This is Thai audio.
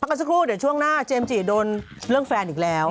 กันสักครู่เดี๋ยวช่วงหน้าเจมส์จีโดนเรื่องแฟนอีกแล้ว